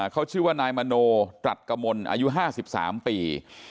เขาชื่อว่านายมโนตรัสกะมนต์อายุห้าสิบสามปี